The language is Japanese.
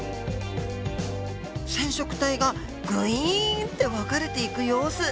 染色体がぐいんって分かれていく様子